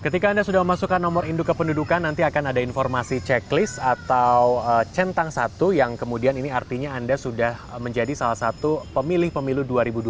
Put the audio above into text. ketika anda sudah memasukkan nomor induk kependudukan nanti akan ada informasi checklist atau centang satu yang kemudian ini artinya anda sudah menjadi salah satu pemilih pemilu dua ribu dua puluh